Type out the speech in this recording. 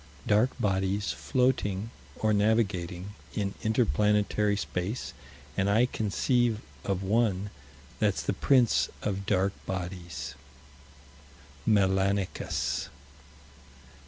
Dark bodies, floating, or navigating, in inter planetary space and I conceive of one that's the Prince of Dark Bodies: Melanicus.